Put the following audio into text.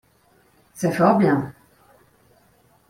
C’est fort bien.